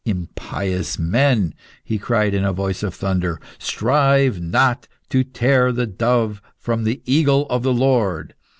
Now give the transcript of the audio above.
"Impious men," he cried in a voice of thunder, "strive not to tear the dove from the eagle of the Lord.